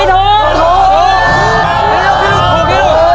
ถูก